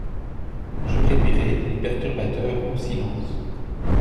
Je réduirai les perturbateurs au silence.